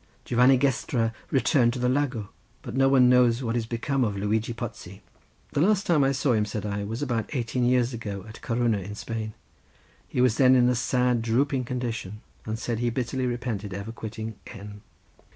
Giovanni Gestra returned to the Lago—but no one knows what is become of Luigi Pozzi." "The last time I saw him," said I, "was about eighteen years ago at Coruña, in Spain; he was then in a sad drooping condition, and said he bitterly repented ever quitting N."